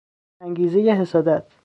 انگیزهی حسادت